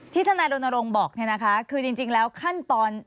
ที่ท่านไนโดนโรงบอกคือจริงแล้วขั้นตอน